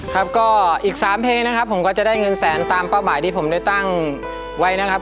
ครับก็อีก๓เพลงนะครับผมก็จะได้เงินแสนตามเป้าหมายที่ผมได้ตั้งไว้นะครับ